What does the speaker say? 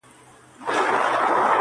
اې گل گوتې څوڼې دې ټک کایتک کي مه اچوه